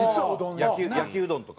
焼きうどんとか。